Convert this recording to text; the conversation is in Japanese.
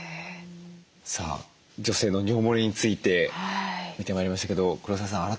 さあ女性の尿もれについて見てまいりましたけど黒沢さん